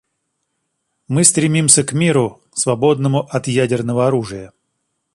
Мы стремимся к миру, свободному от ядерного оружия.